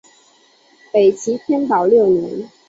北齐天保六年。